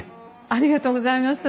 ありがとうございます。